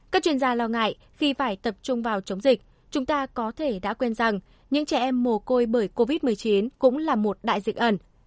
các chuyên gia lo ngại khi phải tập trung vào chống dịch chúng ta có thể đã quên rằng những trẻ em mồ côi bởi covid một mươi chín cũng là một đại dịch ẩn